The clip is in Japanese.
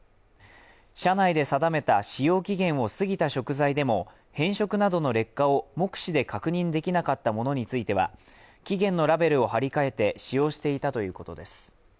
社内で定めて使用期限を過ぎた食材でも変色などの劣化を目視で確認できなかったものについては期限のラベルを貼り替えて使用していたということです。